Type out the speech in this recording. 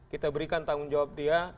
kita berikan tanggung jawab dia